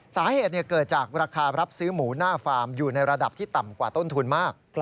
สาเหตุเกิดจากราคารับซื้อหมูหน้าฟาร์มอยู่ในระดับที่ต่ำกว่าต้นทุนมาก